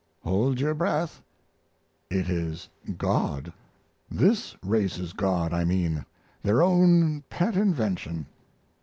Hold your breath: It is God! This race's God I mean their own pet invention.